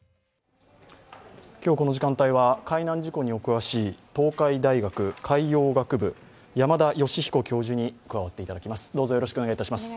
今日この時間帯は海難事故にお詳しい東海大学海洋学部・山田吉彦教授に加わっていただきます。